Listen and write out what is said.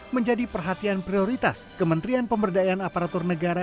menjadi perhatian prioritas kementerian pemberdayaan aparatur negara